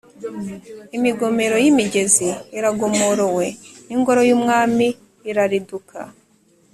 Imigomero y’imigezi iragomorowe n’ingoro y’Umwami irariduka.